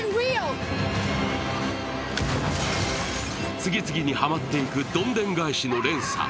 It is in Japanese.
次々にハマっていくどんでん返しの連鎖。